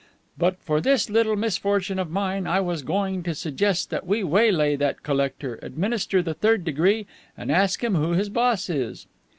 But for this little misfortune of mine, I was going to suggest that we waylay that collector, administer the Third Degree, and ask him who his boss is."